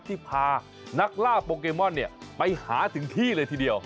ที่พานักล่าโปเกมอนไปหาถึงที่เลยทีเดียว